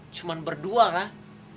cuman berdua kah